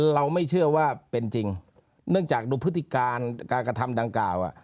เราไม่เชื่อว่าเป็นจริงเนื่องจากดูพฤติการการกระทำดังกล่าว